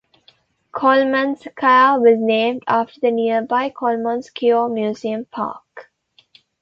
Kolomenskaya was named after the nearby Kolomenskoye museum-park.